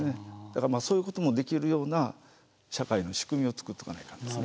だからそういうこともできるような社会の仕組みを作っとかないといかん。